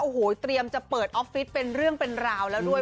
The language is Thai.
โอ้โหเตรียมจะเปิดออฟฟิศเป็นเรื่องเป็นราวแล้วด้วย